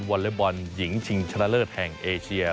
อเล็กบอลหญิงชิงชนะเลิศแห่งเอเชีย